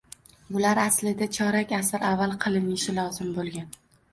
Bular aslida chorak asr avval qilinishi lozim boʻlgan